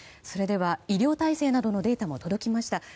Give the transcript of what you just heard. それでは、医療体制などのデータも届きました。